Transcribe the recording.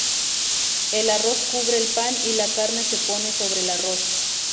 El arroz cubre el pan y la carne se pone sobre el arroz.